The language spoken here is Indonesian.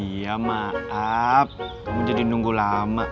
iya maaf kamu jadi nunggu lama